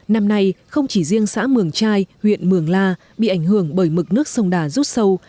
năm nay không chỉ riêng xã mường trai huyện mường la bị ảnh hưởng bởi mực nước sông đà rút sâu